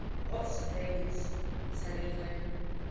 ^" "Lots of things," said Evelyn.